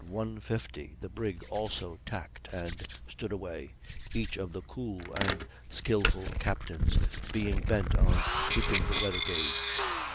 50 the brig also tacked and stood away, each of the cool and skilful captains being bent on keeping the weather gage.